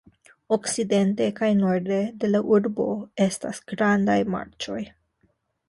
Okcidente kaj norde de la urbo estas grandaj marĉoj.